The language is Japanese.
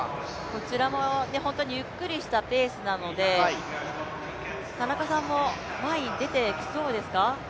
こちらも本当にゆっくりしたペースなので、田中さんも前に出てきそうですか。